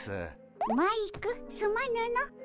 マイクすまぬの。